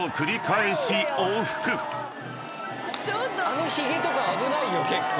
あのひげとか危ないよ結構。